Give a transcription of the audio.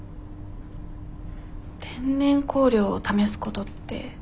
天然香料を試すことって？